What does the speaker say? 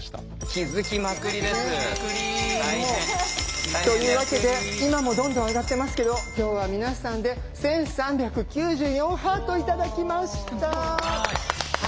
気づきまくり。というわけで今もどんどん上がってますけど今日は皆さんで１，３９４ハート頂きました！